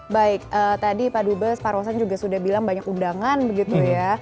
baik tadi pak dubes pak rosan juga sudah bilang banyak undangan begitu ya